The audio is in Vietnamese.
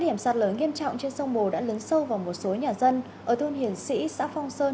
điểm sạt lở nghiêm trọng trên sông bồ đã lấn sâu vào một số nhà dân ở thôn hiển sĩ xã phong sơn